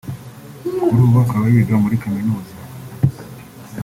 kuri ubu akaba yiga muri Kaminuza